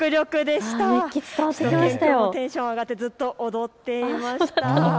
しゅと犬くんもテンションが上がってずっと踊っていました。